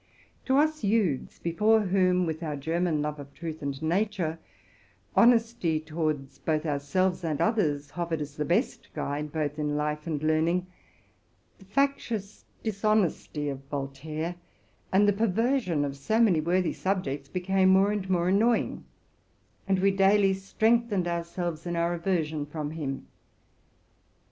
To us youths, before whom, with our German love of truth and nature, honesty towards both ourselves and others hovered as the best guide, both in life and learning, the fac tious dishonesty of Voltaire and the perversion of so many worthy subjects became more and more annoying; and we 82 TRUTH AND FICTION daily strengthened ourselves in our aversion from him.